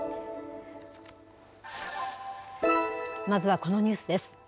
まずはこのニュースです。